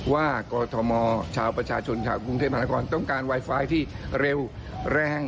ว่ากอทมชาวประชาชนชาวกรุงเทพธนกรต้องการวายไฟฟรีที่เร็วแรง